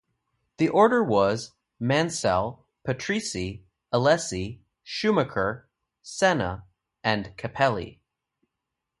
The order was: Mansell, Patrese, Alesi, Schumacher, Senna and Capelli.